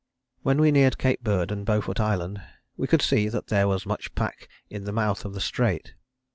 When we neared Cape Bird and Beaufort Island we could see that there was much pack in the mouth of the Strait.